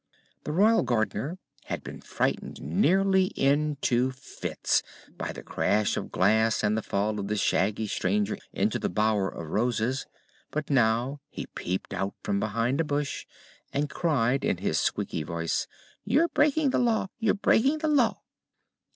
The Royal Gardener had been frightened nearly into fits by the crash of glass and the fall of the shaggy stranger into the bower of Roses, but now he peeped out from behind a bush and cried in his squeaky voice: "You're breaking the Law! You're breaking the Law!"